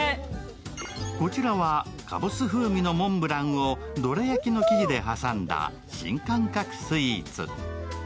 こちらはかぼす風味のモンブランをどら焼きの生地で挟んだ新感覚スイーツ。